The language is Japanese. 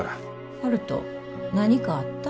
悠人何かあった？